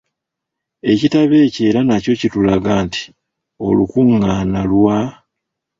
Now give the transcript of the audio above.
Ekitabo ekyo era nakyo kitulaga nti olukungaana lwa